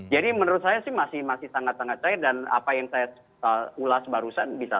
jadi menurut saya sih masih sangat sangat cair dan apa yang saya ulas barusan bisa